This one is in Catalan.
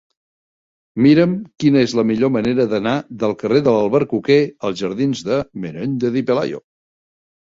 Mira'm quina és la millor manera d'anar del carrer de l'Albercoquer als jardins de Menéndez y Pelayo.